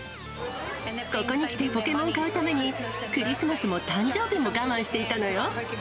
ここに来て、ポケモン買うために、クリスマスも誕生日も我慢していたのよ。